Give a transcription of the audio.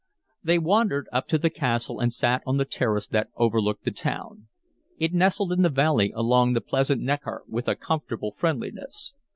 They wandered up to the castle, and sat on the terrace that overlooked the town. It nestled in the valley along the pleasant Neckar with a comfortable friendliness.